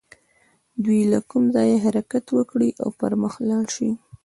دوی له کوم ځايه حرکت وکړي او پر مخ لاړ شي.